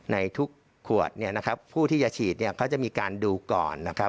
ในทุกขวดเนี่ยนะครับผู้ที่จะฉีดเนี่ยเขาจะมีการดูก่อนนะครับ